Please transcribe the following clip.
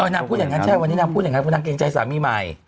นางพูดอย่างนั้นใช่วันนี้นางพูดอย่างนั้นเพราะนางเกรงใจสามีใหม่